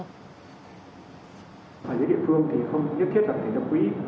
ở dưới địa phương thì không nhất thiết phải thành lập quỹ